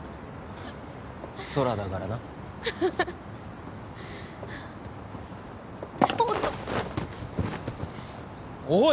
空だからなおっとおい